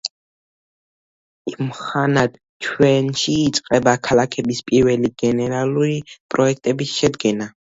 იმხანად ჩვენში იწყება ქალაქების პირველი გენერალური პროექტების შედგენა.